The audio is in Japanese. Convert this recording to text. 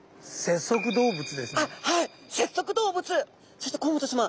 そして甲本さま。